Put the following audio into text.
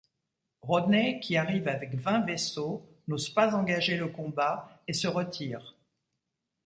Rodney, qui arrive avec vingt vaisseaux, n’ose pas engager le combat et se retire.